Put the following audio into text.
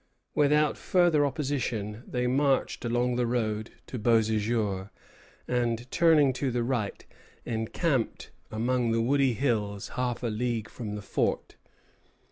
Without further opposition, they marched along the road to Beauséjour, and, turning to the right, encamped among the woody hills half a league from the fort.